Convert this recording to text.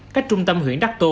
cách trung tâm huyện đắc tô